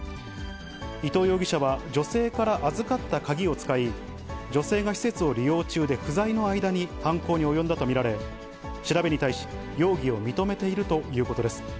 伊藤容疑者は女性から預かった鍵を使い、女性が施設を利用中で不在の間に犯行に及んだと見られ、調べに対し、容疑を認めているということです。